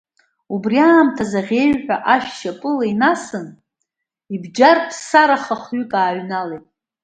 Убри аамҭаз, аӷьеҩҳәа ашә шьапыла инасын, ибџьарԥсараха хҩык ааҩналеит.